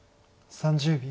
３０秒。